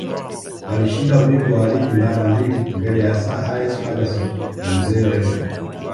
alishinda ubingwa wa ligi mara mbili mbele ya sir alex ferguson na mzee wenger